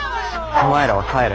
お前らは帰れ。